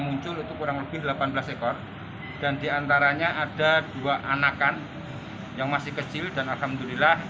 muncul itu kurang lebih delapan belas ekor dan diantaranya ada dua anakan yang masih kecil dan alhamdulillah